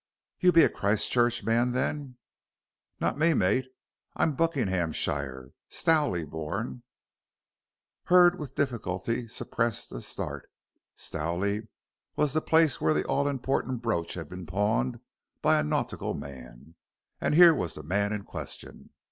"You'll be a Christchurch man, then?" "Not me, mate. I'm Buckinghamshire. Stowley born." Hurd with difficulty suppressed a start. Stowley was the place where the all important brooch had been pawned by a nautical man, and here was the man in question.